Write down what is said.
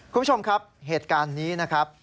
คุณผู้ชมครับเหตุการณ์นี้นะครับ